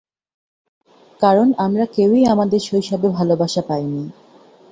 কারণ আমরা কেউই আমাদের শৈশবে ভালোবাসা পাইনি।